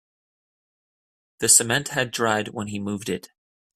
The cement had dried when he moved it.